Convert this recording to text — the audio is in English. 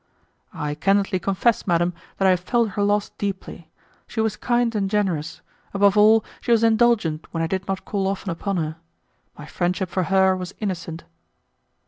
"I candidly confess, madam, that I have felt her loss deeply. She was kind and generous; above all, she was indulgent when I did not call often upon her. My friendship for her was innocent."